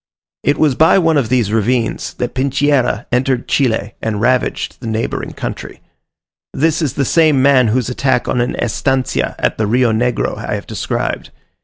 It was by one of these ravines, that Pincheira entered Chile and ravaged the neighbouring country. This is the same man whose attack on an estancia at the Rio Negro I have described.